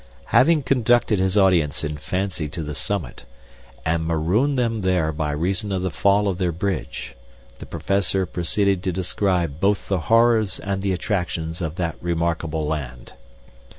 "Having conducted his audience in fancy to the summit, and marooned them there by reason of the fall of their bridge, the Professor proceeded to describe both the horrors and the attractions of that remarkable land.